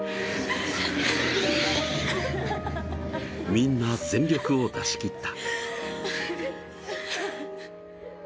みんな全力を出し切った。